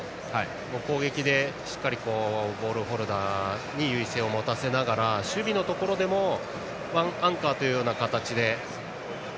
攻撃でしっかりボールホルダーに優位性を持たせながら守備のところでもワンアンカーという形で。